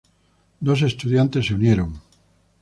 Dos estudiantes se unieron.